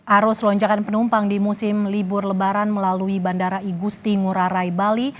arus lonjakan penumpang di musim libur lebaran melalui bandara igusti ngurah rai bali